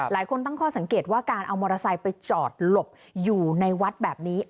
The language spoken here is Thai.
หลายคนตั้งข้อสังเกตว่าการเอามอเตอร์ไซค์ไปจอดหลบอยู่ในวัดแบบนี้